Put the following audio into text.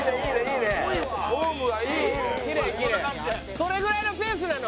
それぐらいのペースなの？